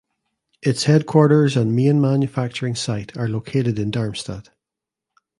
Its headquarters and main manufacturing site are located in Darmstadt.